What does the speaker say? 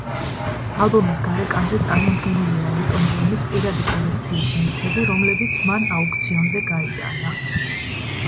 ალბომის გარეკანზე წარმოდგენილია ელტონ ჯონის პირადი კოლექციის ნივთები, რომლებიც მან აუქციონზე გაიტანა.